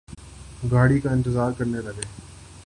گاڑی کا انتظار کرنے لگے